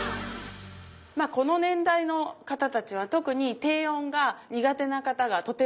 まあこの年代の方たちは特に低音が苦手な方がとても多いです。